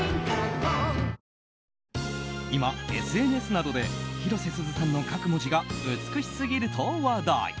今、ＳＮＳなどで広瀬すずさんの書く文字が美しすぎると話題。